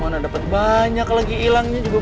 mana dapet banyak lagi ilangnya juga